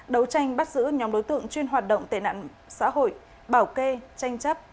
đấu tranh bắt giữ nhóm đối tượng chuyên hoạt động tệ nạn xã hội bảo kê tranh chấp